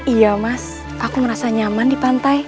iya mas aku merasa nyaman di pantai